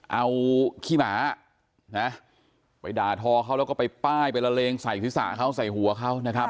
เอาขี้หมานะไปด่าทอเขาแล้วก็ไปป้ายไปละเลงใส่ศีรษะเขาใส่หัวเขานะครับ